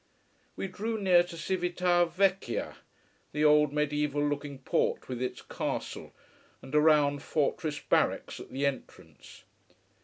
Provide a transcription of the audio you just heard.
We drew near to Cività Vecchia: the old, mediaeval looking port, with its castle, and a round fortress barracks at the entrance.